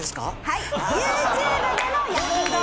はい「ＹｏｕＴｕｂｅでの躍動」。